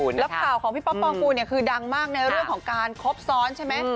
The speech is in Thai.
แล้วข่าวของพี่ป๊อปปองฟูเนี่ยคือดังมากในเรื่องของการครบซ้อนใช่ไหม